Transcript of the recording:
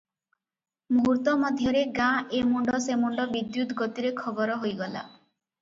ମୁହୂର୍ତ୍ତ ମଧ୍ୟରେ ଗାଁ ଏ ମୁଣ୍ତ ସେମୁଣ୍ତ ବିଦ୍ୟୁତ୍ ଗତିରେ ଖବର ହୋଇଗଲା ।